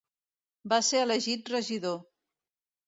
Va ser elegit regidor.